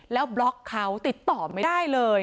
แล้วบล็อกเขาติดต่อไม่ได้เลย